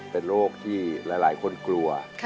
เป็นโรคที่หลายคนกลัว